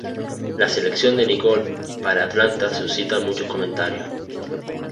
La selección de Nicole para Atlanta suscita muchos comentarios.